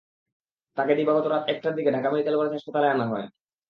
তাঁকে দিবাগত রাত একটার দিকে ঢাকা মেডিকেল কলেজ হাসপাতালে আনা হয়।